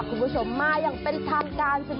คุณผู้ชมมาอย่างเป็นทางการ